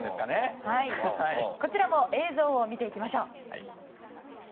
こちらも映像を見ていきましょう。